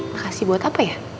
makasih buat apa ya